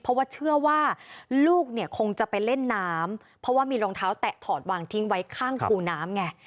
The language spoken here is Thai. เพราะว่าเชื่อว่าลูกเนี่ยคงจะไปเล่นน้ำเพราะว่ามีรองเท้าแตะถอดวางทิ้งไว้ข้างคูน้ำไง